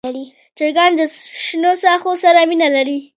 چرګان د شنو ساحو سره مینه لري.